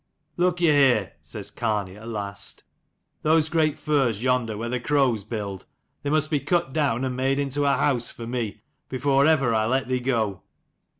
"Look you here," says Gartnaidh at last: "those great firs yonder where the crows build, they must be cut down and made into a house for me, before ever I let thee go."